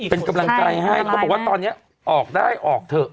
เป็นกำลังใจให้เขาบอกว่าตอนนี้ออกได้ออกเถอะ